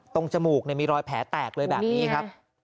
จมูกมีรอยแผลแตกเลยแบบนี้ครับ